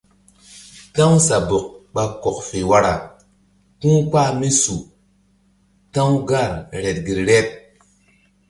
Ta̧w sabɔk ɓa kɔk fe wara ku̧ kpah mí su ta̧w gar reɗ gel reɗ.